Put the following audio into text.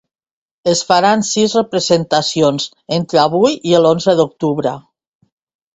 Es faran sis representacions entre avui i l’onze d’octubre.